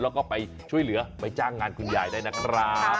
แล้วก็ไปช่วยเหลือไปจ้างงานคุณยายได้นะครับ